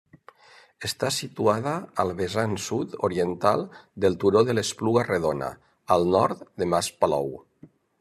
Està situada al vessant sud-oriental del Turó de l'Espluga Redona, al nord de Mas Palou.